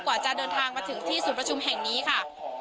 กว่าจะเดินทางมาถึงที่ศูนย์ประชุมแห่งนี้ค่ะ